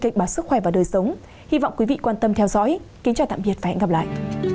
kịch bản sức khỏe và đời sống hy vọng quý vị quan tâm theo dõi kính chào tạm biệt và hẹn gặp lại